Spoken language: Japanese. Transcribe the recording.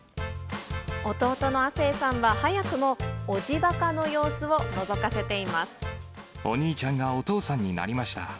弟の亜生さんは早くもおじバお兄ちゃんがお父さんになりました。